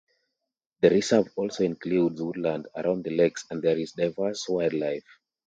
The reserve also includes woodland around the lakes and there is diverse wildlife.